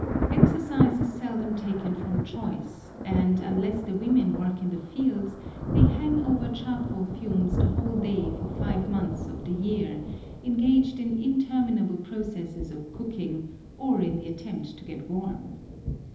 Exercise is seldom taken from choice, and, unless the women work in the fields, they hang over charcoal fumes the whole day for five months of the year, engaged in interminable processes of cooking, or in the attempt to get warm.